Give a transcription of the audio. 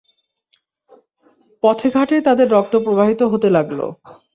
পথে-ঘাটে তাদের রক্ত প্রবাহিত হতে লাগল।